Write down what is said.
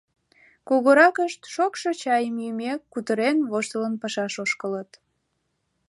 Кугуракышт, шокшо чайым йӱмек, кутырен-воштылын пашаш ошкылыт.